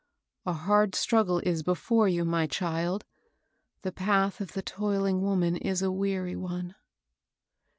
A hard struggle is before you, my child; the path of the toiling woman is a weary one."